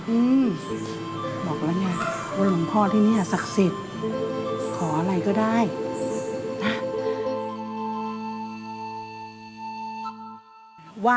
อืมบอกแล้วก็พ่อนี้ศักดิ์สิทธิ์ขออะไรก็ได้นะ